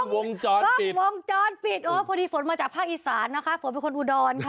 วงจรกล้องวงจรปิดโอ้พอดีฝนมาจากภาคอีสานนะคะฝนเป็นคนอุดรค่ะ